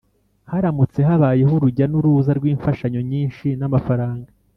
haramutse habayeho urujya n'uruza rw'imfashanyo nyinshi n'amafaranga